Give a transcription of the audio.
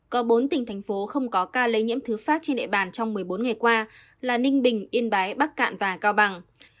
có bốn tỉnh thành phố không có ca lây nhiễm thứ phát trên địa bàn trong một mươi bốn ngày qua là ninh bình yên bái bắc cạn và cao bằng